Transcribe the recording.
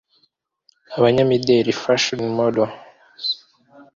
Abanyamideli (Fashion Models)